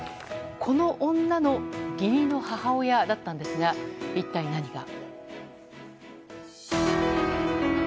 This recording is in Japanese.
この女の義理の母親だったんですが一体何が？